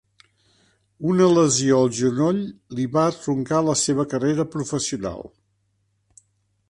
Una lesió al genoll li va truncar la seva carrera professional.